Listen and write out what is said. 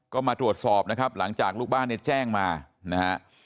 ก็มาตรวจสอบนะครับหลังจากลูกบ้านเนี่ยแจ้งมานะฮะ